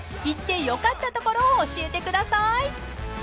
［行ってよかった所を教えてください］